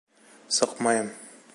— Сыҡмайым.